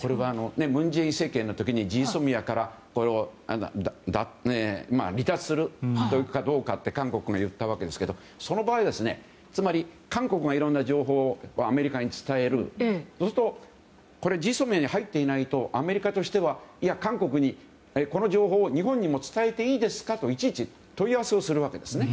これは、文在寅政権の時にＧＳＯＭＩＡから離脱するかどうかと韓国が言ったわけですがその場合、つまり韓国がいろんな情報をアメリカに伝えるそうするとＧＳＯＭＩＡに入っていないとアメリカとしては韓国に、この情報を日本にも伝えていいですか？といちいち問い合わせるんですね。